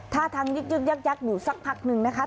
ท่าทางยึกยักอยู่สักพักนึงนะคะ